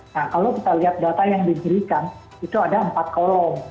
nah kalau kita lihat data yang diberikan itu ada empat kolom